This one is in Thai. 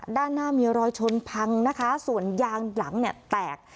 ด้านหน้ามีรอยชนพังนะคะส่วนยางหลังเนี่ยแตก